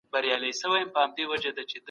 محصن زاني ته سزا ورکول انصاف دی.